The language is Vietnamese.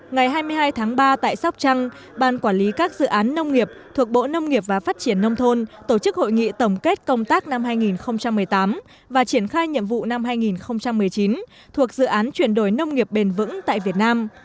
ngày hai mươi hai tháng ba tại sóc trăng ban quản lý các dự án nông nghiệp thuộc bộ nông nghiệp và phát triển nông thôn tổ chức hội nghị tổng kết công tác năm hai nghìn một mươi tám và triển khai nhiệm vụ năm hai nghìn một mươi chín thuộc dự án chuyển đổi nông nghiệp bền vững tại việt nam